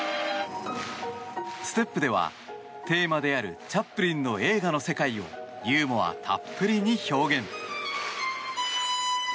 ステップではテーマであるチャップリンの映画の世界をユーモアたっぷりに表現。